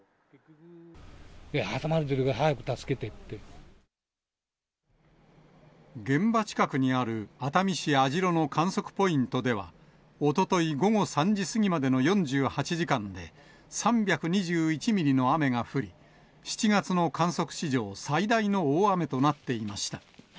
挟まれているから早く助けて現場近くにある、熱海市網代の観測ポイントでは、おととい午後３時過ぎまでの４８時間で、３２１ミリの雨が降り、７月の観測史上最大の大雨となっていました。